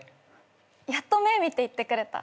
やっと目見て言ってくれた。